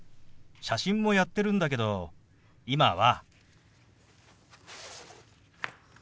写真もやってるんだけど今は。